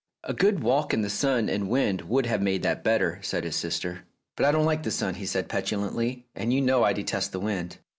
"A good walk in the sun and wind would have made that better," said his sister. "But I don't like the sun," said he petulantly, "and you know I detest the wind."